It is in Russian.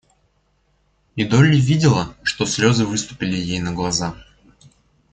И Долли видела, что слезы выступили ей на глаза.